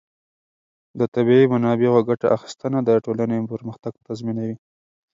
د طبیعي منابعو ګټه اخیستنه د ټولنې پرمختګ تضمینوي.